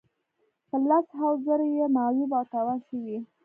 په لس هاوو زره یې معیوب او تاوان شوي.